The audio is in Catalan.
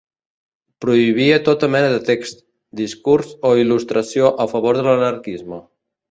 Prohibia tota mena de text, discurs o il·lustració a favor de l'anarquisme.